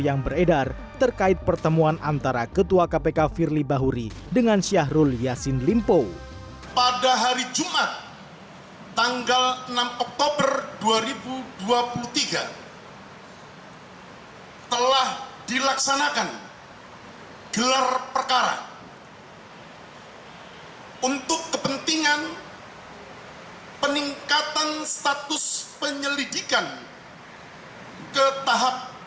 namun ketua kpk firly bahuri membantah